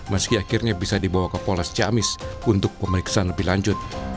meski akhirnya bisa dibawa ke polres ciamis untuk pemeriksaan lebih lanjut